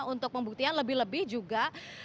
untuk pembuktian lebih lebih juga